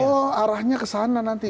oh arahnya ke sana nanti